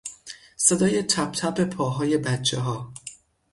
صدای تپ تپ پاهای بچهها